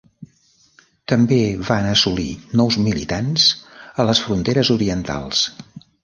També van assolir nous militants a les fronteres orientals.